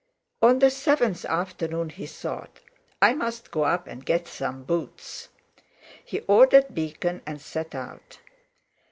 On the seventh afternoon he thought: "I must go up and get some boots." He ordered Beacon, and set out.